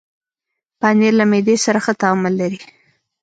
پنېر له معدې سره ښه تعامل لري.